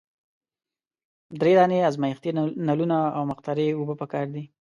دری دانې ازمیښتي نلونه او مقطرې اوبه پکار دي.